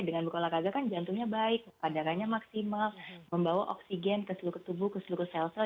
dengan berolahraga kan jantungnya baik padarannya maksimal membawa oksigen ke seluruh tubuh ke seluruh sel sel